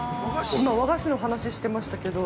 ◆今和菓子の話、してましたけど。